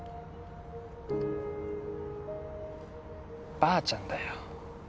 ばあちゃんだよ